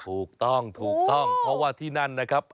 ถูกต้องเพราะว่าที่นั่นนะครับ